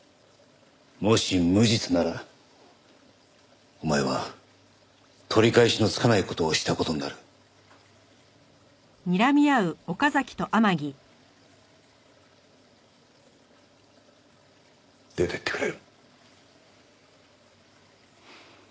もし無実ならお前は取り返しのつかない事をした事になる。出てってくれ。